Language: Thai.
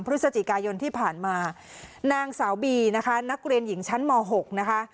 พฤศจิกายนที่ผ่านมานางสาวบีนะคะนักเรียนหญิงชั้นม๖นะคะ